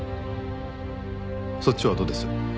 そっちはどうです？